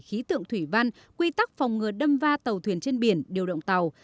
khí tượng thủy văn quy tắc phòng ngừa đâm va tàu thuyền trên biển điều động tàu